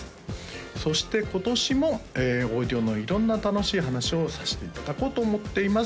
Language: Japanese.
そして今年もオーディオの色んな楽しい話をさせていただこうと思っています